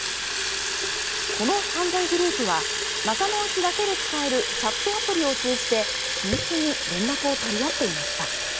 この犯罪グループは仲間内だけで使えるチャットアプリを通じて秘密に連絡を取り合っていました。